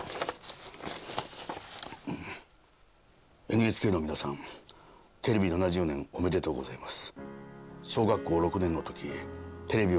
「ＮＨＫの皆さんテレビ７０年おめでとうございます」。